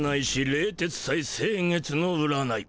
冷徹斎星月の占い